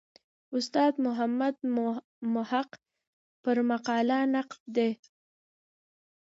استاد محمد محق پر مقاله نقد دی.